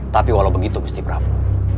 tapi walaupun begitu gusti prabu